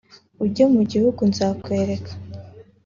ujye mu gihugu nzakwereka